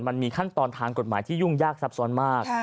มันมีขั้นตอนทางกฎหมายที่ยุ่งยากซับซ้อนมาก